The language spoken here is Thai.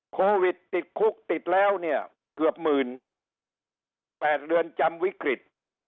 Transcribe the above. โควิดติดคุกติดแล้วเนี่ยเกือบ๑๘เรือนจำวิกฤต